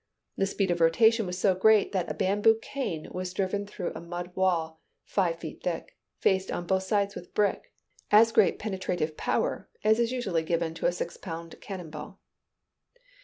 The speed of rotation was so great that a bamboo cane was driven through a mud wall five feet thick, faced on both sides with brick; as great penetrative power as is usually given to a six pound cannon ball.